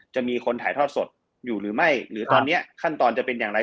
จะมีคนถ่ายทอดสดอยู่หรือไม่หรือตอนนี้ขั้นตอนจะเป็นอย่างไร